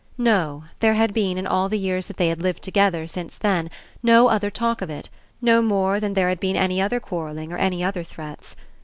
No, there had been, in all the years that they had lived together since then, no other talk of It, no more than there had been any other quarrelling or any other threats.